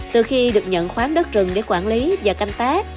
từ khi được nhận khoáng đất rừng để quản lý và canh tác